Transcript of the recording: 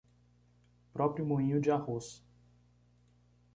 Próprio moinho de arroz